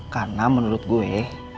karena menurut gue